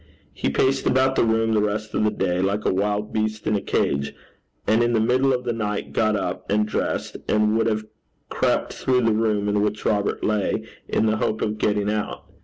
He paced about the room the rest of the day like a wild beast in a cage, and in the middle of the night, got up and dressed, and would have crept through the room in which Robert lay, in the hope of getting out.